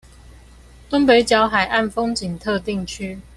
東北角海岸風景特定區